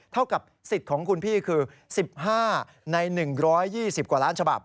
เท่ากับสิทธิ์ของคุณพี่คือ๑๕ใน๑๒๐กว่าล้านฉบับ